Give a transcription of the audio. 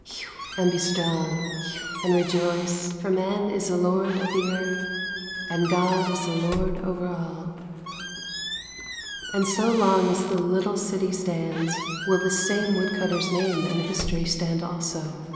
Hew, and be strong ! Hew and rejoice ! For man is the lord of the Earth, And God is the Lord over all !" THERE WAS A LITTLE CITY 335 And so long as the little city stands will this same woodcutter's name and history stand also.